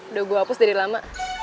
udah gue hapus dari lama